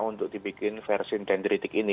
untuk dibikin versi dendritik ini